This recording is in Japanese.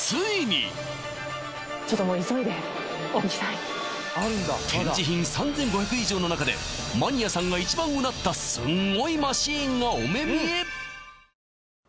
ちょっともう急いで展示品３５００以上の中でマニアさんが一番うなったすごいマシンがお目見え！